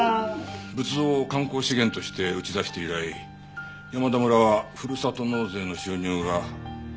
仏像を観光資源として打ち出して以来山田村はふるさと納税の収入が大幅に伸びたそうですね。